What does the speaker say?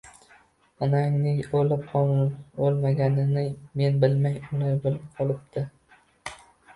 Onangning o'lib-o'lmaganini men bilmay, ular bilib qolibdimi?